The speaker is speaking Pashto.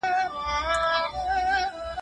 آیا خپل ښار تر پردي ښار بلد دی؟